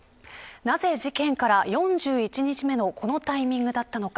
なぜ事件から４１日目のこのタイミングだったのか。